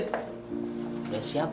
gila udah balesin wk